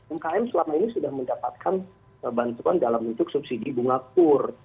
umkm selama ini sudah mendapatkan bantuan dalam bentuk subsidi bunga kur